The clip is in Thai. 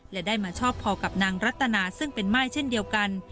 และได้มาชอบพอกับนางรัตนาซึ่งเป็นม่ายเช่นเดียวกัน